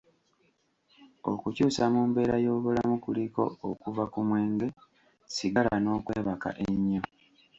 Okukyusa mu mbeera y'obulamu kuliko okuva ku mwenge, sigala n'okwebaka ennyo.